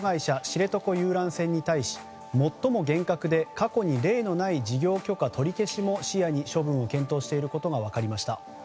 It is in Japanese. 知床遊覧船に対し最も厳格で過去に例のない事業許可取り消しも視野に処分を検討していることが分かりました。